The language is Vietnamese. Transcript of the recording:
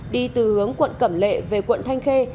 đi từ hướng quận cẩm lệ về quận thanh khê